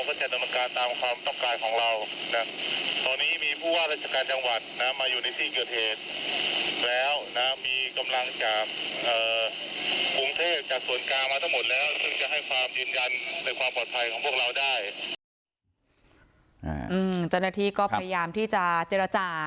ซึ่งจะให้ความยืนยันในความปลอดภัยของพวกเราได้อืมเจ้าหน้าที่ก็พยายามที่จะเจรจา